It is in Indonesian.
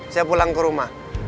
saya pulang ke rumah